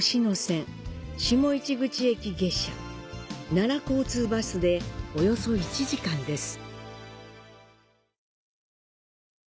奈良交通バスで約１時間です。